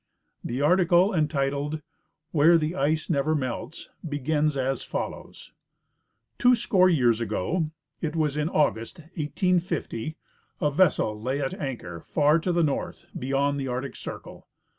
The article, entitled "Where the Ice never Melts," begins as follows :" Two score years ago — it was in August, 1850 — a vessel lay at anchor far to the north, beyond the Arctic circle.